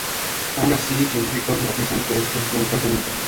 Aun así, científicos enfatizan que esto es un caso inusual.